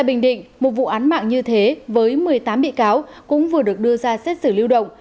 bình định một vụ án mạng như thế với một mươi tám bị cáo cũng vừa được đưa ra xét xử lưu động